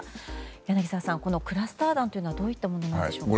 柳澤さん、このクラスター弾はどういったものなんでしょうか。